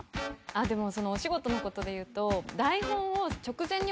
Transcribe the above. でもお仕事のことでいうと。